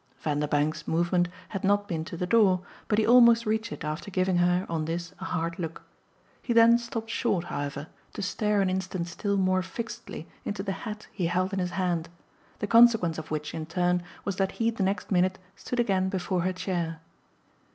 Vanderbank's movement had not been to the door, but he almost reached it after giving her, on this, a hard look. He then stopped short, however, to stare an instant still more fixedly into the hat he held in his hand; the consequence of which in turn was that he the next minute stood again before her chair.